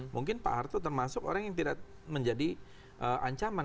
mungkin pak harto termasuk orang yang tidak menjadi ancaman